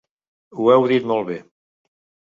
Ho heu dit molt bé.